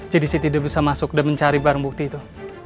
jadi saya tidak bisa masuk dan mencari barang bukti itu